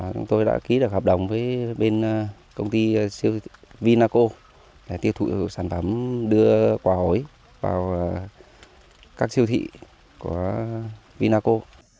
chúng tôi đã ký được hợp đồng với bên công ty vinaco để tiêu thụ sản phẩm đưa quả hối vào các siêu thị của vinaco